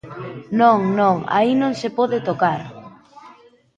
Non, non, aí non se pode tocar.